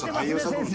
先生。